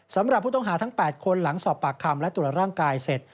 สำหรับผู้ต้องหาทั้ง๘คนหลังสอบปากคำและตรวจร่างกายเสร็จ